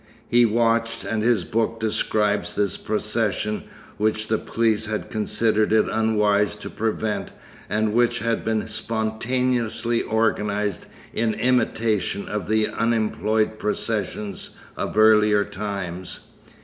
He watched, and his book describes this procession which the police had considered it unwise to prevent and which had been spontaneously organised in imitation of the Unemployed Processions of earlier times.